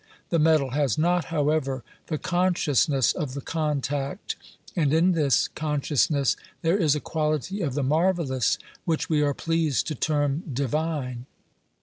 The metal has not, however, the consciousness of the contact, and in this consciousness there is a quality of the marvellous which we are pleased to term divine.